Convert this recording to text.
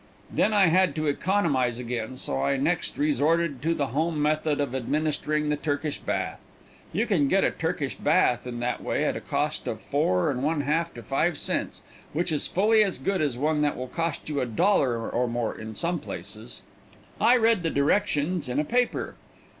Then I had to economize again, so I next resorted to the home method of administering the Turkish bath. You can get a Turkish bath in that way at a cost of four and one half to five cents, which is fully as good as one that will cost you a dollar or more in some places. I read the directions in a paper.